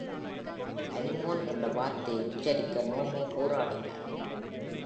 Anemone என்ற வார்த்தையை உச்சரிக்க நேமோ போராடினார்.